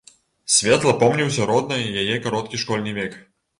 Светла помніўся роднай яе кароткі школьны век.